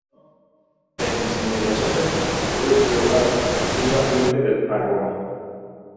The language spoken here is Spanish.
En sus inmediaciones discurre el río Gas, un afluente del Aragón.